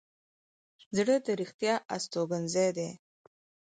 زړه د رښتیا استوګنځی دی.